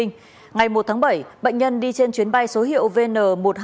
ngày một tháng bảy bệnh nhân đi trên chuyến bay số hiệu vn một nghìn hai trăm bảy mươi bốn